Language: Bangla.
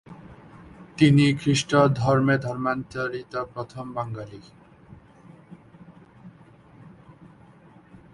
তিনি খ্রিস্ট ধর্মে ধর্মান্তরিত প্রথম বাঙালি।